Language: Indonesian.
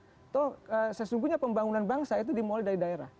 atau sesungguhnya pembangunan bangsa itu dimulai dari daerah